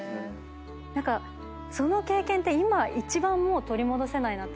何かその経験って今一番もう取り戻せないなって思うんですね。